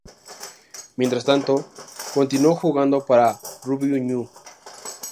Mientras tanto, continuó jugando para Rubio Ñu.